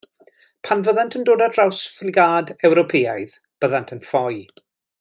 Pan fyddant yn dod ar draws ffrigad Ewropeaidd byddent yn ffoi.